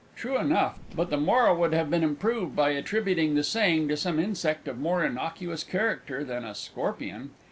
_ True enough but the moral would have been improved by attributing the saying to some insect of more innocuous character than a Scorpion.